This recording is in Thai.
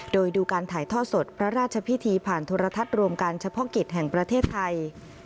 โดยดูการถ่ายทอดสดพระราชพิธีผ่านโทรทัศน์รวมการเฉพาะกิจแห่งประเทศไทย